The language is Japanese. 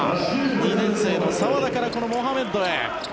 ２年生の澤田からこのモハメッドへ。